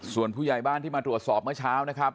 ส่วนผู้ใหญ่บ้านที่มาตรวจสอบเมื่อเช้านะครับ